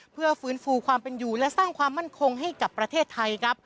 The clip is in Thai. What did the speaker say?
เพื่อฟื้นฟูความเป็นอยู่และสร้างความมั่นคงให้กับประเทศไทยครับ